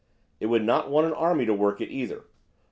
It would not want an army to work it either.